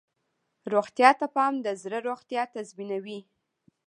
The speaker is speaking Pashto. روغتیا ته پام د زړه روغتیا تضمینوي.